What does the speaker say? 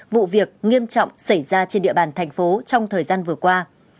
vụ việc nghiêm trọng xảy ra trên địa bàn thành phố trong thời gian vừa qua